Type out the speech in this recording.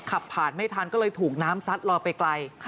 ขับผ่านไม่ทันก็เลยถูกน้ำซัดรอไปไกล